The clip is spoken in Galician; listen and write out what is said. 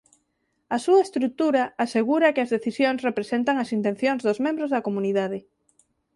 A súa estrutura asegura que as decisións representan as intencións dos membros da comunidade.